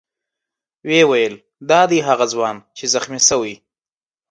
ویې ویل: دا دی هغه ځوان دی چې زخمي شوی.